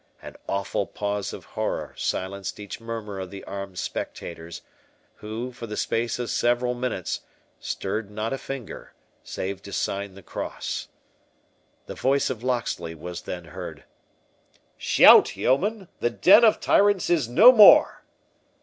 An awful pause of horror silenced each murmur of the armed spectators, who, for the space of several minutes, stirred not a finger, save to sign the cross. The voice of Locksley was then heard, "Shout, yeomen!—the den of tyrants is no more!